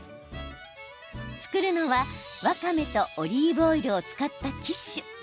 作るのは、わかめとオリーブオイルを使ったキッシュ。